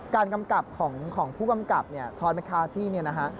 การกำกับของผู้กำกับทอร์ดเมคาร์ตี้